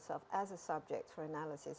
sebagai subjek untuk menganalisis